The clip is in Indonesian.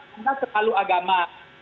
mereka selalu agama